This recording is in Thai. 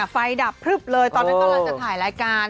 ไฟดับเลยตอนนั้นก็กำลังจะถ่ายรายการ